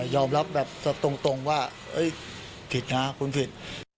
ยอมรับแบบตรงว่าผิดนะคุณผิด